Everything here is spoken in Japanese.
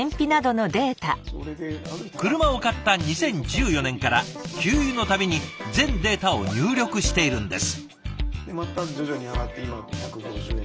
車を買った２０１４年から給油の度に全データを入力しているんです。